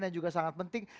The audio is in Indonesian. yang juga sangat penting